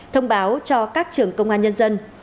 thông báo cho các trường công an nhân dân